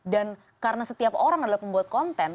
dan karena setiap orang adalah pembuat konten